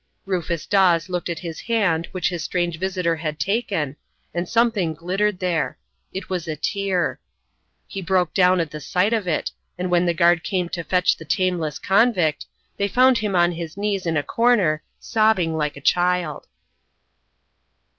Rufus Dawes looked at his hand which his strange visitor had taken, and something glittered there. It was a tear. He broke down at the sight of it, and when the guard came to fetch the tameless convict, they found him on his knees in a corner, sobbing like a child.